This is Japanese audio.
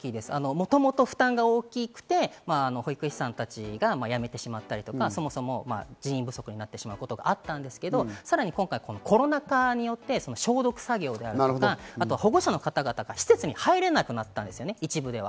もともと負担が大きくて保育士さんたちが辞めてしまったり、そもそも人員不足になってしまうことがあったんですが、さらに今回コロナ禍によって消毒作業とか、保護者の方々が施設に入れなくなったんです、一部では。